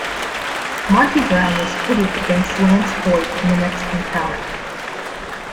Monty Brown was pitted against Lance Hoyt in the next encounter.